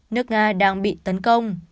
nước nga đang bị tấn công